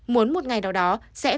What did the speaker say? muốn một ngày nào đó sẽ